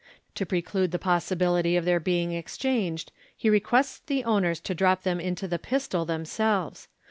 To preclude the possibility of their being exchanged, he requests the owners to drop them into the pistol themselves.